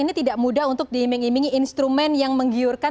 dijawab di segmen selanjutnya ya pak